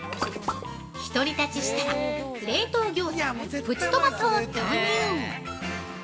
ひと煮立ちしたら、冷凍ギョーザプチトマトを投入。